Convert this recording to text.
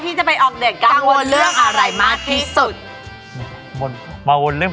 พี่อายกับพี่อ๋อมไม่ได้ครับ